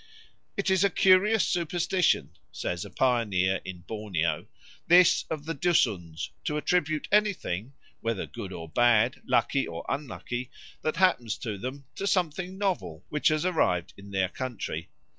"It is a curious superstition," says a pioneer in Borneo, "this of the Dusuns, to attribute anything whether good or bad, lucky or unlucky that happens to them to something novel which has arrived in their country.